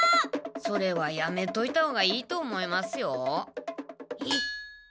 それはやめといたほうがいいと思いますよ。え？